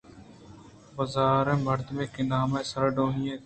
بُرزیں مردے کہ نامے سارڈونی اِنت